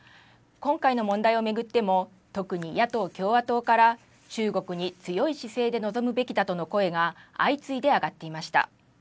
今回の問題を巡っても、特に野党・共和党から中国に強い姿勢で臨むべきだとの声が相次いで上がっていました。